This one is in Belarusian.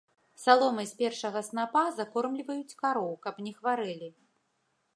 Саломай з першага снапа закормліваюць кароў, каб не хварэлі.